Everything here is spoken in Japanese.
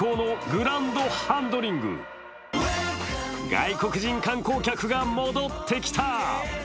外国人観光客が戻ってきた。